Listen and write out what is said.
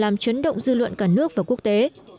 làm chấn động dư luận cả nước và quốc tế